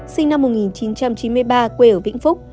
sinh năm một nghìn chín trăm chín mươi ba quê ở vĩnh phúc